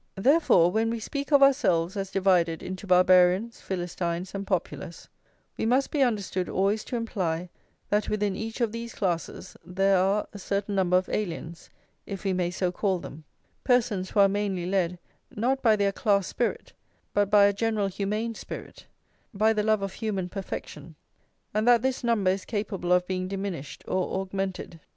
Therefore, when we speak of ourselves as divided into Barbarians, Philistines, and Populace, we must be understood always to imply that within each of these classes there are a certain number of aliens, if we may so call them, persons who are mainly led, not by their class spirit, but by a general humane spirit, by the love of human perfection; and that this number is capable of being diminished or augmented.